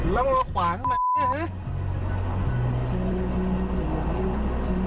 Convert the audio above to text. แล้วมันขวางไหม